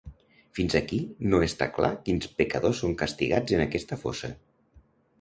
Fins aquí, no està clar quins pecadors són castigats en aquesta fossa.